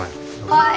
はい。